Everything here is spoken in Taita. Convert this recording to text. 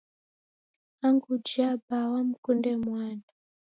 Angu uje aba wamkunde mwana